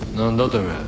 てめえ。